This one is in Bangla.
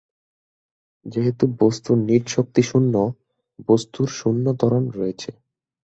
যেহেতু বস্তুর নিট শক্তি শূন্য, বস্তুর শূন্য ত্বরণ রয়েছে।